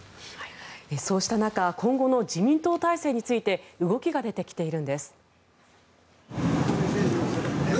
そうした中今後の自民党体制について動きが出てきているんです。